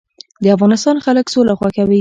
د افغانستان خلک سوله خوښوي